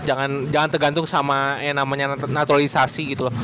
jangan tergantung sama yang namanya naturalisasi gitu loh